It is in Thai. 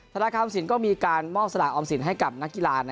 ธนาคารออมสินก็มีการมอบสลากออมสินให้กับนักกีฬา